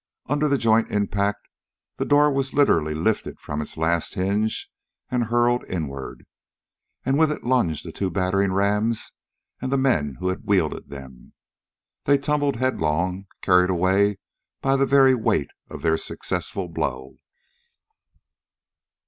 Under the joint impact the door was literally lifted from its last hinge and hurled inward. And with it lunged the two battering rams and the men who had wielded them. They tumbled headlong, carried away by the very weight of their successful blow.